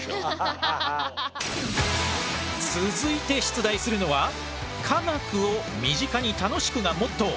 続いて出題するのは科学を身近に楽しくがモットー。